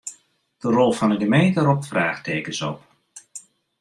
De rol fan 'e gemeente ropt fraachtekens op.